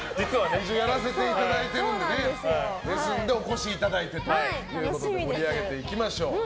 一応やらせていただいてるのでお越しいただいてということで盛り上げていきましょう。